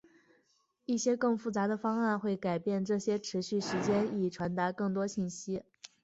一些更复杂的方案会改变这些持续时间以传达更多信息。